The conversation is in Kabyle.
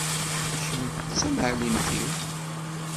Kem d tamɛellemt-iw.